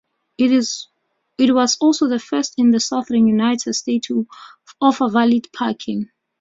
It was also the first in the Southern United States to offer valet parking.